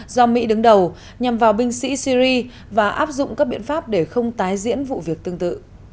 do mỹ đứng đầu nhằm vào binh sĩ syri và áp dụng các biện pháp để không tái diễn vụ việc tương tự